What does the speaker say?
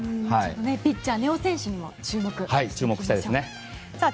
ピッチャー、根尾選手にも注目しましょう。